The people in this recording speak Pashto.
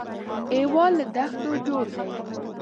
هېواد له دښتو جوړ دی